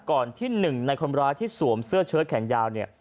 ก่อนที่หนึ่งในคนร้ายที่สวมเสื้อเชื้อแขนยาว